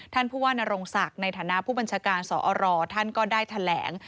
ท่านผู้ว่านรงศักดิ์ในฐานะผู้บัญชาการสอรท่านก็ได้แถลง